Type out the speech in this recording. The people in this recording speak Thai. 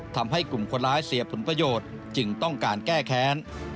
ทำให้กลุ่มคนร้ายเสียผลประโยชน์จึงต้องการแก้แค้น